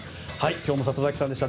今日も里崎さんでした。